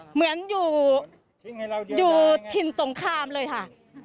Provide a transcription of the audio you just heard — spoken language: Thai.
เหมือนอยู่ถิ่นสงครามเลยค่ะ